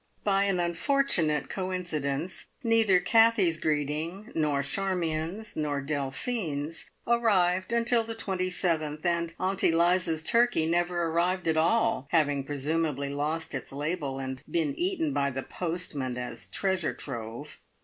By an unfortunate coincidence, neither Kathie's greeting, nor Charmion's, nor Delphine's, arrived until the twenty seventh, and Aunt Eliza's turkey never arrived at all, having presumably lost its label, and been eaten by the postman as treasure trove.